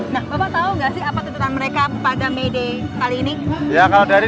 nah bapak tahu nggak sih apa tuntutan mereka pada may day kali ini